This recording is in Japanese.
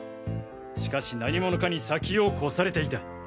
しかし何者かに先を越されていた。